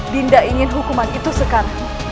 dinda ingin hukuman itu sekan